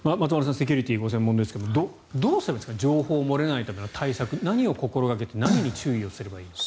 セキュリティーがご専門ですがどうすればいいですか情報が漏れないための対策何を心掛けて何に注意すればいいのか。